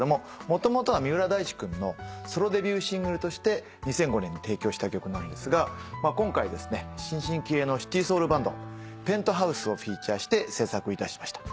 もともとは三浦大知君のソロデビューシングルとして２００５年に提供した曲なんですが今回新進気鋭のシティソウルバンドＰｅｎｔｈｏｕｓｅをフィーチャーして制作いたしました。